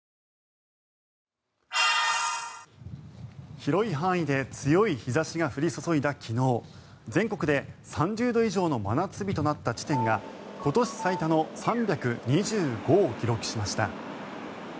広い範囲で強い日差しが降り注いだ昨日全国で３０度以上の真夏日となった地点が今年最多の３２５を記録しました。